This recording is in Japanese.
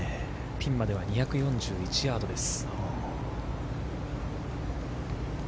ピンまでは２４１ヤードです。